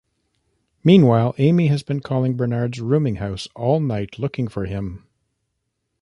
Meanwhile, Amy has been calling Bernard's rooming house all night looking for him.